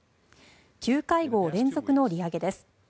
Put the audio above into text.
９会合連続の利上げです。